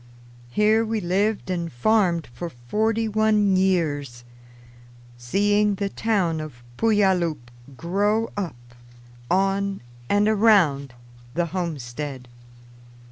Here we lived and farmed for forty one years, seeing the town of Puyallup grow up on and around the homestead.